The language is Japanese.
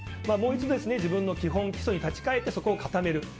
もう一度、自分の基礎に立ちかえてそこを固める。